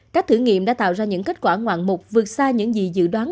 các thử nghiệm đã tạo ra những kết quả ngoạn mục vượt xa những gì dự đoán